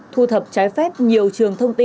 thu thập trái phép nhiều trường thông tin